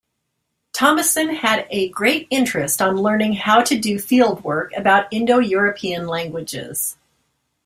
Thomason had a great interest on learning how to do fieldwork about Indo-European languages.